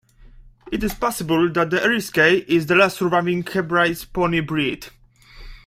It is possible that the Eriskay is the last surviving Hebrides pony breed.